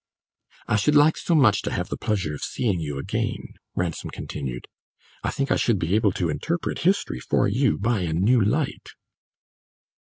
"I should like so much to have the pleasure of seeing you again," Ransom continued. "I think I should be able to interpret history for you by a new light."